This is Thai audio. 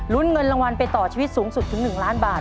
เงินรางวัลไปต่อชีวิตสูงสุดถึง๑ล้านบาท